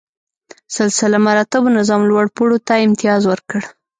سلسله مراتبو نظام لوړ پوړو ته امتیاز ورکړ.